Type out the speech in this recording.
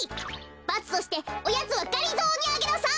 バツとしておやつはがりぞーにあげなさい！